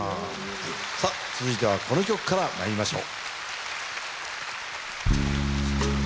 続いてはこの曲からまいりましょう。